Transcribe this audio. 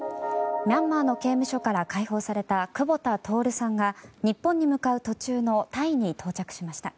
ミャンマーの刑務所から解放された久保田徹さんが日本に向かう途中のタイに到着しました。